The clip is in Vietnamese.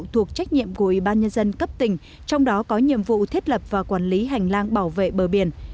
thuộc trách nhiệm của ubnd cấp tỉnh trong đó có nhiệm vụ thiết lập và quản lý hành lang bảo vệ bờ biển